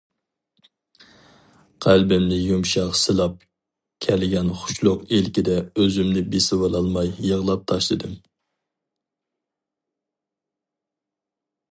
قەلبىمنى يۇمشاق سىلاپ كەلگەن خۇشلۇق ئىلكىدە ئۆزۈمنى بېسىۋالالماي يىغلاپ تاشلىدىم.